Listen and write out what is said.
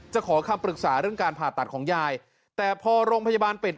ขอคำปรึกษาเรื่องการผ่าตัดของยายแต่พอโรงพยาบาลปิด